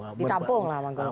ya ditampung lah sama golkar